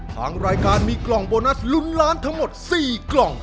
ทางรายการมีกล่องโบนัสลุ้นล้านทั้งหมด๔กล่อง